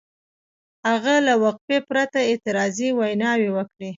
هغه له وقفې پرته اعتراضي ویناوې وکړې.